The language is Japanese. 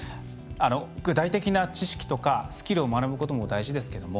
具体的な知識とかスキルを学ぶことも大事ですけども